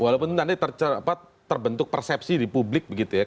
walaupun nanti terbentuk persepsi di publik begitu ya